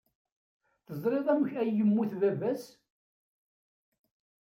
Teẓrid amek ay yemmut baba-s?